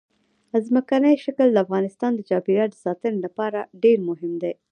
ځمکنی شکل د افغانستان د چاپیریال ساتنې لپاره ډېر مهم دي.